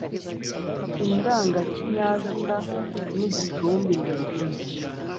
indangakinyazina n’igicumbi. mu mpine